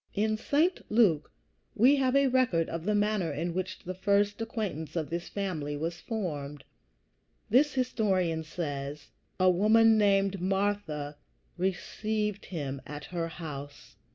In St. Luke we have a record of the manner in which the first acquaintance with this family was formed. This historian says: "A woman named Martha received him at her house."